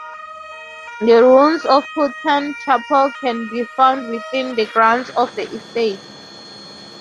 The ruins of Haughton Chapel can be found within the grounds of the estate.